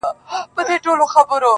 چا منلی چا له یاده دی ایستلی!